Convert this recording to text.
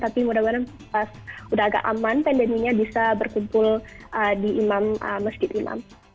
tapi mudah mudahan pas udah agak aman pandeminya bisa berkumpul di imam masjid imam